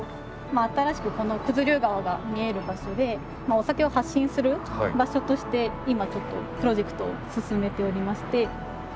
新しくこの九頭竜川が見える場所でお酒を発信する場所として今ちょっとプロジェクトを進めておりまして。